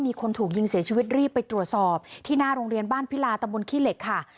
มีคนถูกยิงเสียชีวิตรีบไปตรวจสอบที่หน้าโรงเรียนบ้านพิลาตำบลขี้เหล็กค่ะ